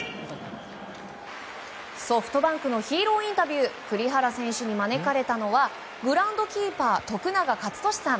ソフトバンクのヒーローインタビュー栗原選手に招かれたのはグラウンドキーパー徳永勝利さん。